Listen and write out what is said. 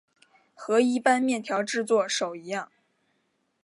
和一般面条制作手一样。